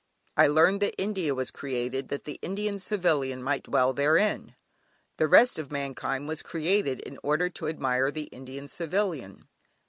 I learned that India was created that the Indian Civilian might dwell therein; the rest of mankind was created in order to admire the Indian Civilian.